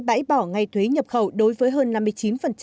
bãi bỏ ngay thuế nhập khẩu đối với hơn